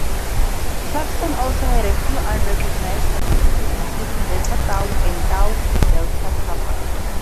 Clarkson also has a few unrecognized fraternities including Beta Tau and Tau Delta Kappa.